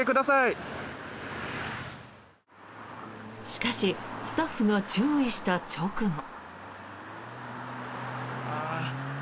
しかしスタッフが注意した直後。